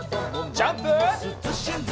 ジャンプ！